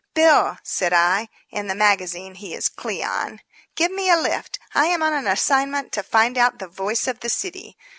"Bill," said I (in the magazine he is Cleon), "give me a lift. I am on an assignment to find out the Voice of the city.